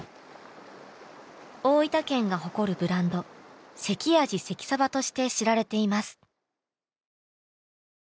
大分県が誇るブランド関あじ関さばとして知られています。